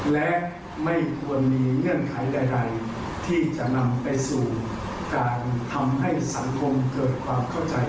และไม่ควรมีเงื่อนไขใดที่จะนำไปสู่การทำให้สังคมเกิดความเข้าใจ